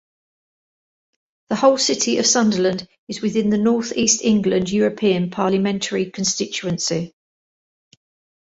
The whole City of Sunderland is within the North East England European Parliamentary constituency.